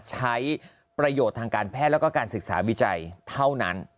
ใช้ประโยชน์ทางการแพทย์แล้วก็การศึกษาวิจัยเท่านั้น